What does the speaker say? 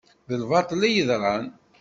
D lbaṭel i yeḍran.